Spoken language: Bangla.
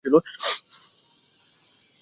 অতএব যে আসবে, তার সঙ্গে সাক্ষাতের কোন আশা নাই।